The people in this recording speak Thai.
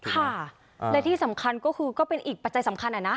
ค่ะและที่สำคัญก็คือก็เป็นอีกปัจจัยสำคัญอะนะ